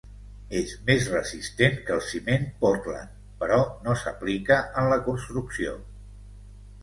És més resistent que el ciment Portland, però no s'aplica en la construcció.